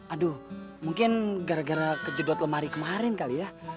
aduh mungkin gara gara kejedot lemari kemarin kali ya